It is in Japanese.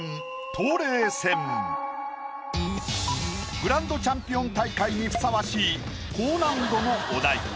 グランドチャンピオン大会にふさわしい高難度のお題。